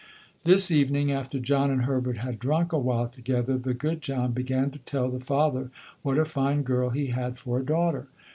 This evening after John and Herbert had drunk awhile together, the good John began to tell the father what a fine girl he had for a daughter.